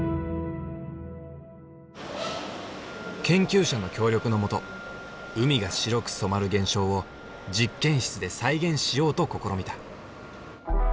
研究者の協力の下海が白く染まる現象を実験室で再現しようと試みた。